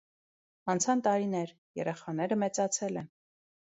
Անցան տարիներ, երեխաները մեծացել են։